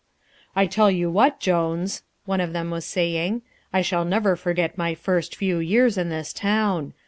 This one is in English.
"I tell you what, Jones," one of them was saying, "I shall never forget my first few years in this town.